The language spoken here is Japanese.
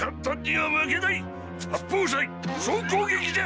八方斎総攻撃じゃ！